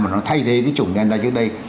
mà nó thay thế cái chủng delta trước đây